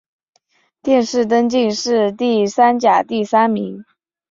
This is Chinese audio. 殿试登进士第三甲第三名。